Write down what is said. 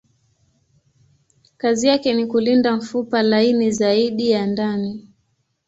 Kazi yake ni kulinda mfupa laini zaidi ya ndani.